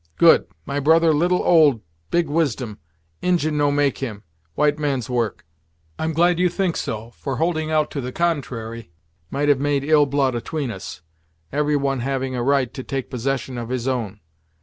"Good! My brother little old big wisdom. Injin no make him. White man's work." "I'm glad you think so, for holding out to the contrary might have made ill blood atween us, every one having a right to take possession of his own.